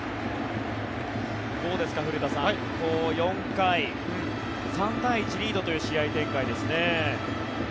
どうですか、古田さん４回、３対１リードという試合展開ですね。